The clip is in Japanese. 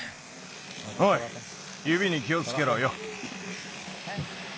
おいゆびに気をつけろよ。